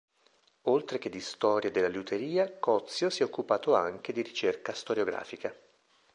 Oltre che di storia della liuteria, Cozio si è occupato anche di ricerca storiografica.